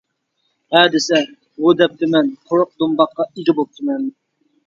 ھە دېسە، ھۇ دەپتىمەن، قۇرۇق دۇمباققا ئىگە بوپتىمەن.